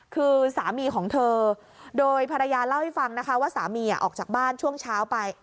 คือสามีของเธอโดยภรรยาเล่าให้ฟังนะคะว่าสามีออกจากบ้านช่วงเช้าไป